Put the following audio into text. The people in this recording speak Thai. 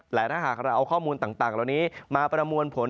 หรือถ้าหากเราเอาข้อมูลต่างนะครับมาประมวลผล